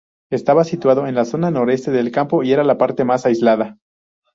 Estaba situado en la zona noroeste del campo y era la parte más aislada.